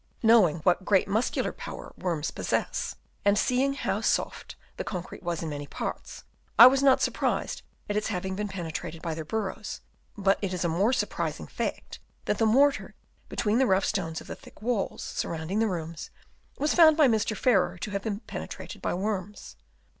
Knowing what great muscular power worms j)ossess, and seeing how soft the concrete was in many parts, I was not surprised at its having been penetrated by their burrows ; but it is a more surprising fact that the mortar between the rough stones of the thick walls, surrounding the rooms, was found by Mr. Farrer to have been penetrated by worms.